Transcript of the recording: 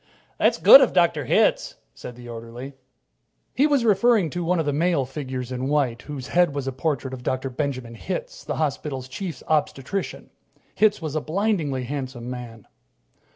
"That's good of Dr. Hitz," said the orderly. He was referring to one of the male figures in white, whose head was a portrait of Dr. Benjamin Hitz, the hospital's Chief Obstetrician. Hitz was a blindingly handsome man.